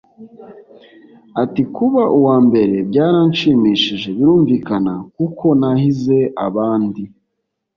Ati “Kuba uwa mbere byaranshimishije birumvikana kuko nahize abandi